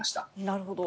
なるほど。